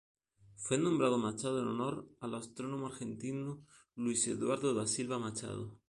Fue nombrado Machado en honor al astrónomo argentino Luiz Eduardo da Silva Machado.